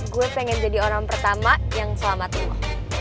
gue pengen jadi orang pertama yang selamatin aku